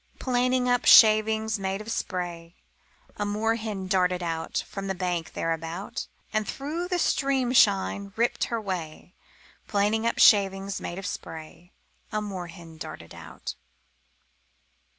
Planing up shavings made of spray, A moor hen darted out From the bank thereabout. And through the stream shine ripped her way; Planing up shavings made of spray, A moor hen darted out.